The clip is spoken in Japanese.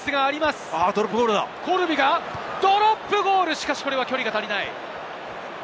しかしこれは距離が足りない。